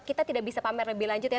kita tidak bisa pamer lebih lanjut ya